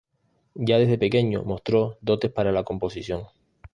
Ya desde pequeño, mostró dotes para la composición.